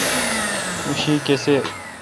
اں شی کسے°